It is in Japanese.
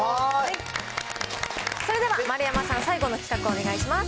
それでは丸山さん、最後の企画をお願いします。